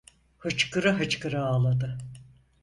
Hıçkıra hıçkıra ağladı.